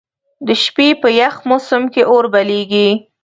د شپې په یخ موسم کې اور بليږي.